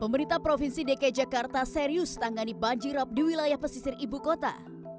pemerintah provinsi dki jakarta serius tangani banjirop di wilayah pesisir ibu kota